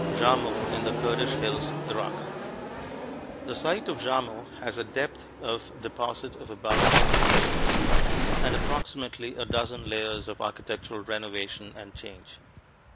JARMO, IN THE KURDISH HILLS, IRAQ The site of Jarmo has a depth of deposit of about twenty seven feet, and approximately a dozen layers of architectural renovation and change.